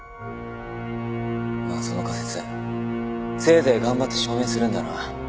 まあその仮説せいぜい頑張って証明するんだな。